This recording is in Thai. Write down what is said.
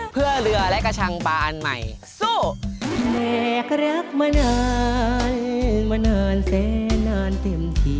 เพื่อเรือและกระชั่งปลาอันใหม่สู้